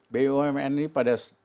bumn ini pada saat